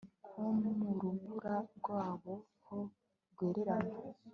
Nko mu rubura rwaho rwererana